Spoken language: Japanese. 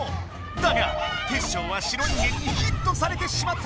だがテッショウは白人間にヒットされてしまった。